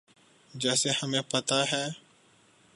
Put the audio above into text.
جیسے ہمیں پتہ ہے۔